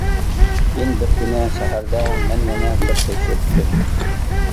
كېيىن بىر كۈنى سەھەردە مەن يەنە بىر تەكشۈرتتۈم.